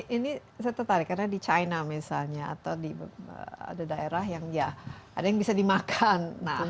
ini saya tertarik karena di china misalnya atau di ada daerah yang ya ada yang bisa dimakan